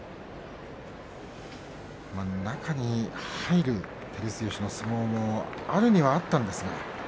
中に入る照強の相撲もあるにはあったんですが